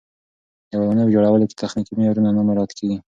د ودانیو په جوړولو کې تخنیکي معیارونه نه مراعت کېږي.